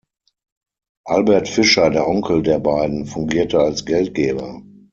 Albert Fisher, der Onkel der beiden, fungierte als Geldgeber.